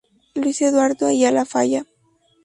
Luis Eduardo Ayala Falla.